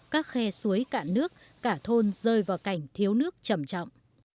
các khe suối cạn nước cả thôn rơi vào cảnh thiếu nước chầm chọng